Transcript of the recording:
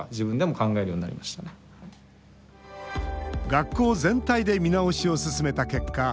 学校全体で見直しを進めた結果